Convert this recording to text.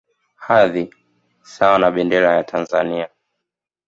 Hadhi sawa na Bendera ya Tanzania